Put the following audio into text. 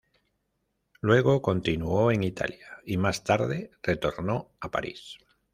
Luego, continuó en Italia, y más tarde retornó a París.